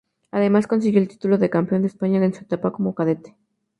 Además, consiguió el título de campeón de España en su etapa como cadete.